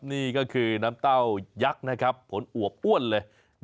นี่ก็คือน้ำเต้ายักษ์นะครับผลอวบอ้วนเลย